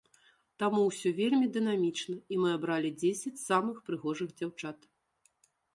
Таму ўсё вельмі дынамічна, і мы абралі дзесяць самых прыгожых дзяўчат.